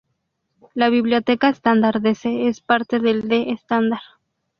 La biblioteca estándar de C es parte del D estándar.